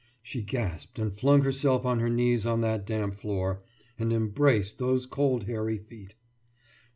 She gasped, and flung herself on her knees on that damp floor, and embraced those cold hairy feet.